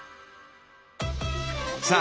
さあ